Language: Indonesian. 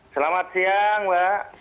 selamat siang mbak